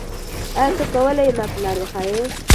آیا ته کولای ېې ما ته لاره وښیې؟